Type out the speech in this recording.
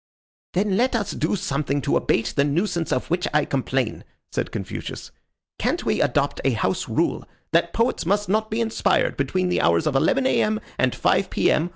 "Then let us do something to abate the nuisance of which I complain," said Confucius. "Can't we adopt a house rule that poets must not be inspired between the hours of 11 A.M. and 5 P.M.